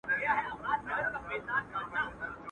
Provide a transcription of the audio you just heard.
انسانانو اوس له ما دي لاس پرېولي.